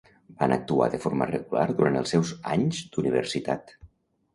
Van actuar de forma regular durant els seus anys d'universitat.